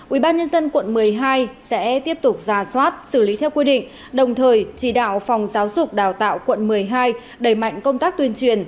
ubnd quận một mươi hai sẽ tiếp tục ra soát xử lý theo quy định đồng thời chỉ đạo phòng giáo dục đào tạo quận một mươi hai đẩy mạnh công tác tuyên truyền